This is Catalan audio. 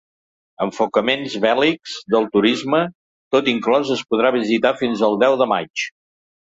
Enfocaments bèl·lics del turisme: tot inclòs es podran visitar fins el deu de maig.